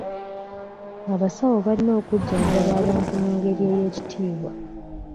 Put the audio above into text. Abasawo balina okujjanjaba abantu mu ngeri ey'ekitiibwa.